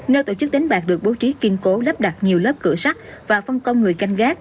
nơi tổ chức đánh bạc được bố trí kiên cố lắp đặt nhiều lớp cửa sắc và phân công người canh gác